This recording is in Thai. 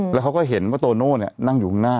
แล้วเขาก็เห็นว่าโตโน่นั่งอยู่ข้างหน้า